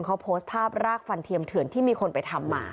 เขาโพสต์ภาพรากฟันเทียมเถื่อนที่มีคนไปทำมา